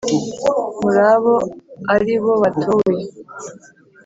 muri abo ari bo batowe,